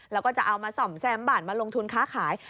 แล้วก็จะเอามาส่อมแซมบ้านมาลงทุนค้าขาย